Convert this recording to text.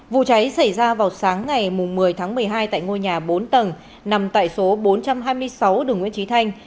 vụ cháy xảy ra vào sáng ngày một mươi tháng một mươi hai tại ngôi nhà bốn tầng nằm tại số bốn trăm hai mươi sáu đường nguyễn trí thanh